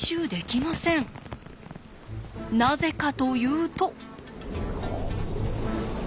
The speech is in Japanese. なぜかというと。